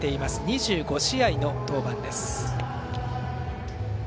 ２５試合の登板です。